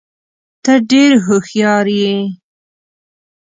ته ډېر هوښیار یې.